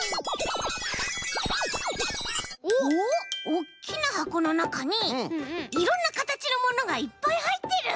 おっきなはこのなかにいろんなかたちのものがいっぱいはいってる。